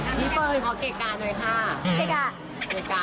สุดท้ายสุดท้าย